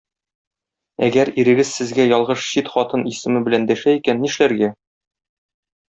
Әгәр ирегез сезгә ялгыш чит хатын исеме белән дәшә икән, нишләргә?